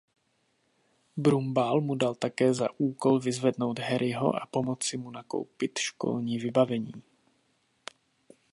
Brumbál mu dal také za úkol vyzvednout Harryho a pomoci mu nakoupit školní vybavení.